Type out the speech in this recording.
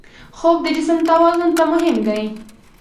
خوب د جسم توازن ته مهم دی